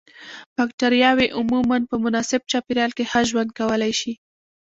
بکټریاوې عموماً په مناسب چاپیریال کې ښه ژوند کولای شي.